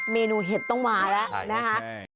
เมนูเห็ดต้องมาแล้วนะคะ